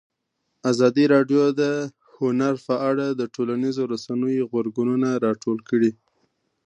ازادي راډیو د هنر په اړه د ټولنیزو رسنیو غبرګونونه راټول کړي.